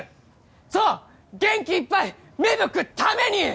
そう元気いっぱい芽吹くために！